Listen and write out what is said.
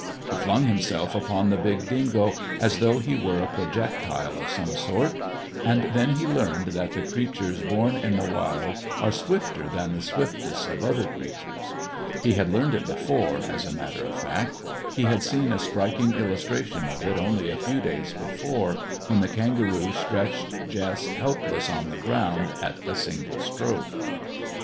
He flung himself upon the big dingo as though he were a projectile of some sort. And then he learned that the creatures born in the wild are swifter than the swiftest of other creatures. He had learned it before, as a matter of fact; he had seen a striking illustration of it only a few days before, when the kangaroo stretched Jess helpless on the ground at a single stroke.